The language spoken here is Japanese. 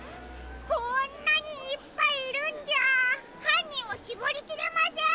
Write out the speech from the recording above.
こんなにいっぱいいるんじゃはんにんをしぼりきれません！